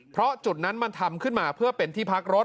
เพราะจุดนั้นมันทำขึ้นมาเพื่อเป็นที่พักรถ